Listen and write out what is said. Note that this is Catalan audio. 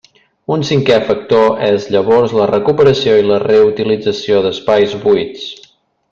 Un cinqué factor és llavors la recuperació i la reutilització d'espais buits.